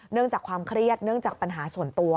จากความเครียดเนื่องจากปัญหาส่วนตัว